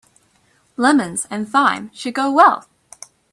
Lemons and thyme should go well.